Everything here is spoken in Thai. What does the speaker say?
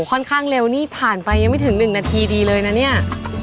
ค่อนข้างเร็วนี่ผ่านไปยังไม่ถึง๑นาทีดีเลยนะเนี่ย